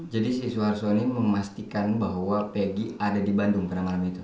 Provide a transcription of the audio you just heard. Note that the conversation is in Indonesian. jadi siswa siswa ini memastikan bahwa peggy ada di bandung pada malam itu